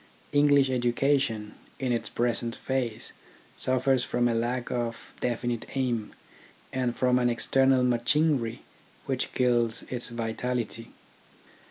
English education in its present phase suffers from a lack of definite aim, and from an external machinery which kills its vitality.